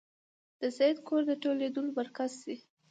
د سید کور د ټولېدلو مرکز شي.